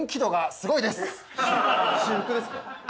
私服ですか？